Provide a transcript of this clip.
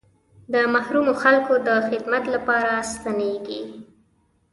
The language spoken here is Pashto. د محرومو خلکو د خدمت لپاره ستنېږي.